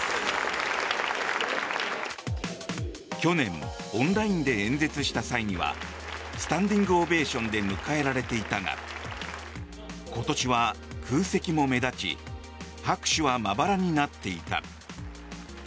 去年オンラインで演説した際にはスタンディングオベーションで迎えられていたが今年は空席も目立ち拍手は、まばらになっていた。